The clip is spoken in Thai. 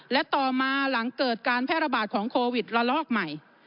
และต่อมาหลังเกิดการแพร่ระบาดของโควิดละลอกใหม่